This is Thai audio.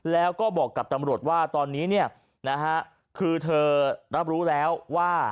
แล้วก็บอกกับตำรวจว่าตอนนี้เนี่ยนะฮะคือเธอรับรู้แล้วว่า